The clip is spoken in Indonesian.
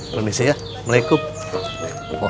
belum isinya waalaikumsalam